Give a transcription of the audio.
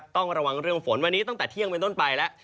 ต้องระวังเรื่องฝนวันนี้ตั้งแต่เที่ยงเป็นต้นไปแล้ว